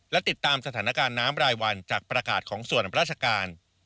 และติดตามสถานการณ์น้ำรายวันจากประกาศของส่วนราชการ